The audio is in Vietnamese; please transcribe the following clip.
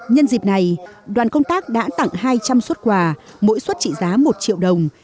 nhân dịp này đoàn công tác đã tặng hai trăm linh xuất quà mỗi xuất trị giá một triệu đồng